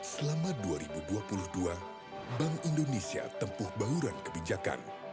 selama dua ribu dua puluh dua bank indonesia tempuh bauran kebijakan